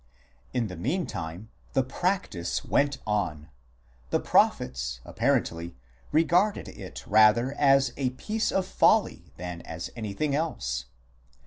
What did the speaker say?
In the meantime the practice went on ; the prophets, apparently, regarded it rather as a piece of folly than anything else.